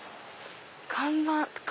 看板